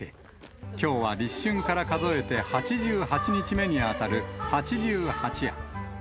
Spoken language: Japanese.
きょうは立春から数えて８８日目に当たる八十八夜。